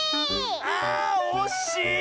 あおしい！